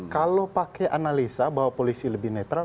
kalau pakai analisa bahwa polisi lebih netral